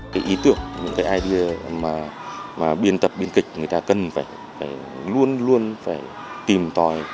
cái ý tưởng những cái idea mà biên tập biên kịch người ta cần phải luôn luôn phải tìm tòi